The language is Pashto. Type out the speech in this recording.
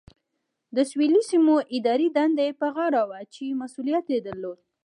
د سویلي سیمو اداري دنده یې په غاړه وه چې مسؤلیت یې درلود.